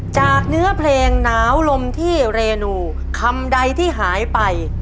เนื้อเพลงหนาวลมที่เรนูคำใดที่หายไป